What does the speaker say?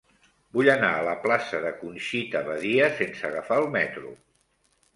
Vull anar a la plaça de Conxita Badia sense agafar el metro.